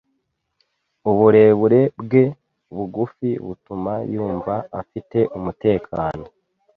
Uburebure bwe bugufi butuma yumva afite umutekano.